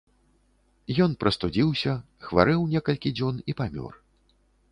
Ён прастудзіўся, хварэў некалькі дзён і памёр.